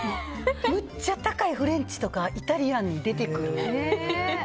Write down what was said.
むっちゃ高いフレンチとかイタリアンに出てくる。